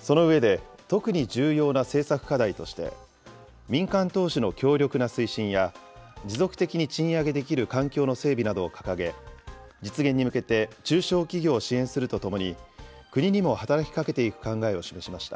その上で、特に重要な政策課題として、民間投資の強力な推進や持続的に賃上げできる環境の整備などを掲げ、実現に向けて中小企業を支援するとともに、国にも働きかけていく考えを示しました。